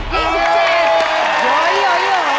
แพงกว่า